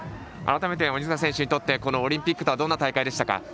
改めて鬼塚選手にとってこのオリンピックとはどんな大会でしたか？